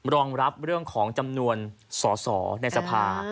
รองรับเรื่องของจำนวนสอสอในสภา